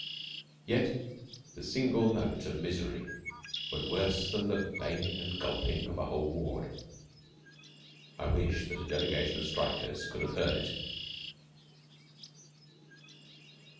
Yet the single note of misery was worse than the baying and gulping of a whole ward. I wished that a delegation of strikers could have heard it.